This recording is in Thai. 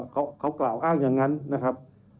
เขากล่าวอ้างอย่างนั้นนะครับ